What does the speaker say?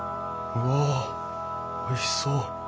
うわおいしそう。